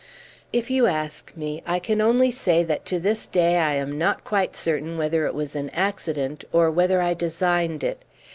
If you ask me, I can only say that to this day I am not quite certain whether it was an accident or whether I designed it.